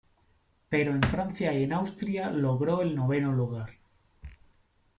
Pero en Francia y en Austria logró el noveno lugar.